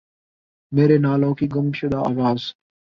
میرے نالوں کی گم شدہ آواز